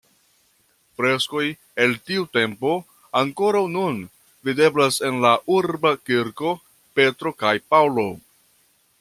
Freskoj el tiu tempo ankoraŭ nun videblas en la urba kirko Petro kaj Paŭlo.